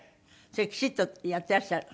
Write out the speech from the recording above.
それきちっとやっていらっしゃる？